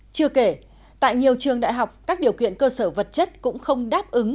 chưa kể tại nhiều trường đại học các điều kiện cơ sở vật chất cũng không đáp ứng